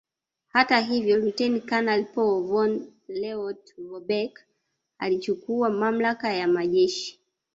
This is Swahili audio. Hata hivyo Luteni Kanali Paul von Lettow Vorbeck alichukua mamlaka ya majeshi